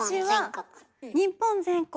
日本全国。